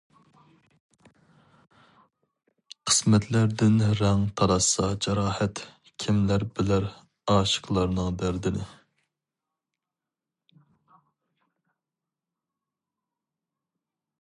قىسمەتلەردىن رەڭ تالاشسا جاراھەت، كىملەر بىلەر ئاشىقلارنىڭ دەردىنى.